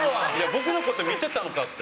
僕のこと見てたのかって。